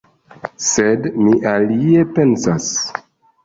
Sed mi alie pensas.